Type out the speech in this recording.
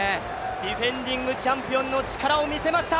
ディフェンディングチャンピオンの力を見せました。